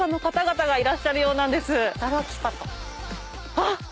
あっ！